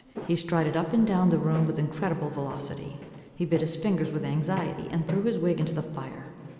He strided up and down the room with incredible velocity. He bit his fingers with anxiety, and threw his wig into the fire.